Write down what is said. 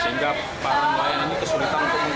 sehingga para nelayan ini kesulitan untuk mencari